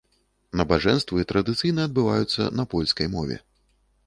Набажэнствы традыцыйна адбываюцца на польскай мове.